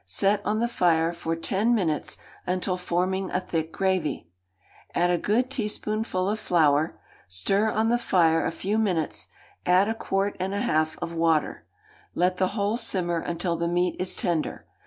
Set on the fire for ten minutes until forming a thick gravy. Add a good teaspoonful of flour, stir on the fire a few minutes; add a quart and a half of water; let the whole simmer until the meat is tender.